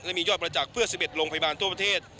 และมียอดประจักษ์เพื่อ๑๑โรงพยาบาลทั่วประเทศ